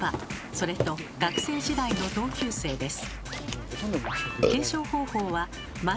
それと学生時代の同級生です。